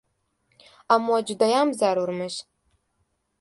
— Ammo judayam zarurmish.